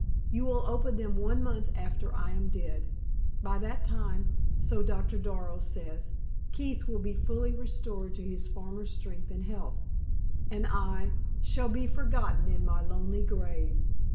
You will open them one month after I am dead. By that time, so Doctor Darrow says, Keith will be fully restored to his former strength and health, and I shall be forgotten in my lonely grave."